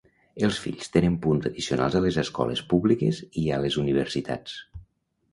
Els fills tenen punts addicionals a les escoles públiques i a les universitats.